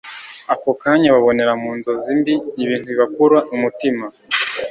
ako kanya babonera mu nzozi mbi, ibintu bibakura umutima